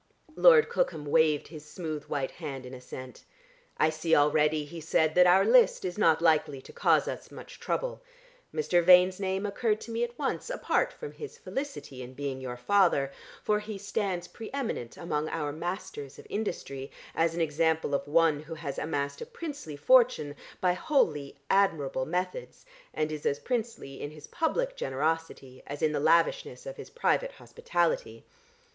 Lord Cookham waved his smooth white hand in assent. "I see already," he said, "that our list is not likely to cause us much trouble. Mr. Vane's name occurred to me at once, apart from his felicity in being your father, for he stands pre eminent among our masters of industry as an example of one who has amassed a princely fortune by wholly admirable methods and is as princely in his public generosity as in the lavishness of his private hospitality.